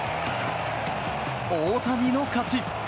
大谷の勝ち！